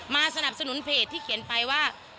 สนับสนุนเพจที่เขียนไปว่า